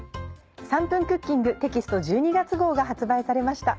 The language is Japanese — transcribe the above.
『３分クッキング』テキスト１２月号が発売されました。